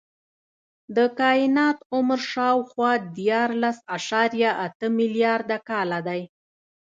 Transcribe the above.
د کائنات عمر شاوخوا دیارلس اعشاریه اته ملیارده کاله دی.